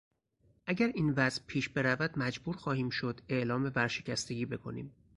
اگر این وضع پیش برود مجبور خواهیم شد اعلام ورشکستگی بکنیم.